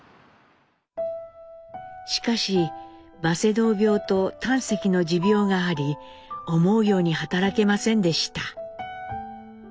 しかしバセドウ病と胆石の持病があり思うように働けませんでした。